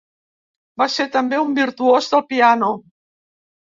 Va ser també un virtuós del piano.